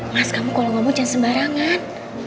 mas kamu kalau nggak mau jangan sembarangan